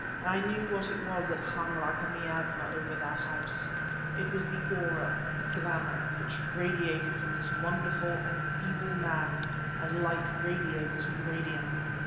I knew what it was that hung like a miasma over that house. It was the aura, the glamour, which radiated from this wonderful and evil man as light radiates from radium.